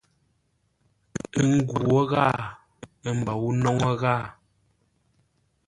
Ə́ nghwó ghâa, ə́ mbôu nóŋə́ ghâa.